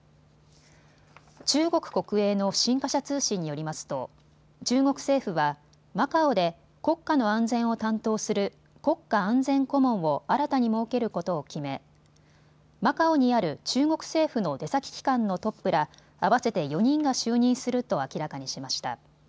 中国国営の新華社通信によりますと中国政府はマカオで国家の安全を担当する国家安全顧問を新たに設けることを決め、マカオにある中国政府の出先機関のトップら合わせて４人が就任すると明らかにしました。